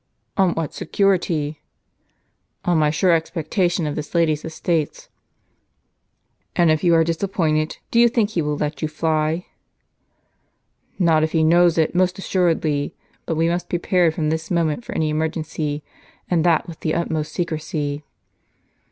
On what security ?"" On my sure expectation of this lady's estates." "And if you are disappointed, do you think he Avill let you fly?" "Not if he knows it, most assuredly. But we must be prepared from this moment for any emergency ; and that with the utmost secrecy."